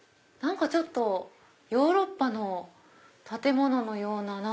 何かちょっとヨーロッパの建物のような。